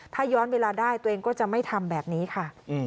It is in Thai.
ถ้าย้อนเวลาได้ตัวเองก็จะไม่ทำแบบนี้ค่ะ